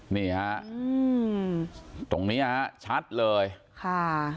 นี่ฮะอืมตรงเนี้ยฮะชัดเลยค่ะ